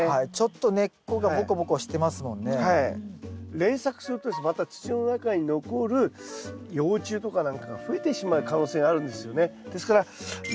連作するとまた土の中に残る幼虫とか何かが増えてしまう可能性があるんですよね。